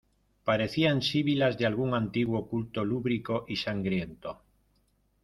parecían sibilas de algún antiguo culto lúbrico y sangriento.